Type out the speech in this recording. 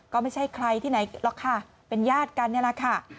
ก็ไม่ใช่ใครที่ไหนหรอกค่ะเป็นญาติกันนี่แหละค่ะ